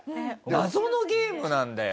謎のゲームなんだよ。